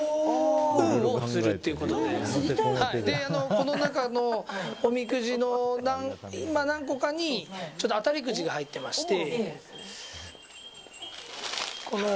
この中のおみくじの何個かに当たりくじが入ってまして。